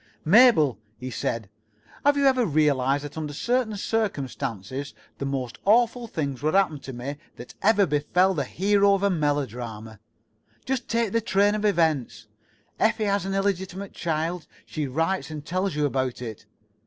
He did. "Mabel," he said, "have you ever realized that under certain circumstances the most awful things would happen to me that ever befell the hero of a melodrama? Just take the train of events. Effie has an illegitimate child. She writes and tells you about it."